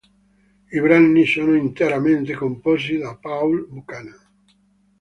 I brani sono interamente composti da Paul Buchanan.